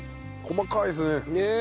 細かいですね。